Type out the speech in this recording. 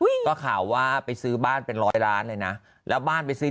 ก็ข่าวว่าไปซื้อบ้านเป็นร้อยล้านเลยนะแล้วบ้านไปซื้อ